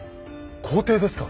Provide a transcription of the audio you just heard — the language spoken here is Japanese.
皇帝ですか。